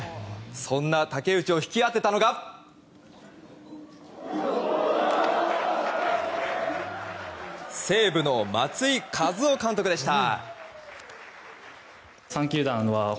そんな武内を引き当てたのが西武の松井稼頭央監督でした。